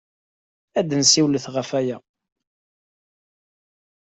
Ad nessiwlet ɣef waya.